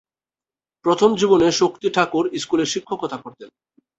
প্রথম জীবনে শক্তি ঠাকুর স্কুলে শিক্ষকতা করতেন।